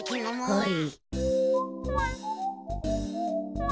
はい。